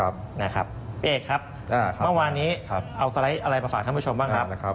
เอกครับเมื่อวานนี้เอาสไลด์อะไรมาฝากท่านผู้ชมบ้างครับ